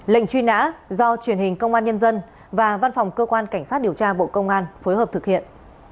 lệnh truy nã do truyền hình công an nhân dân và văn phòng cơ quan cảnh sát điều tra bộ công an phối hợp thực hiện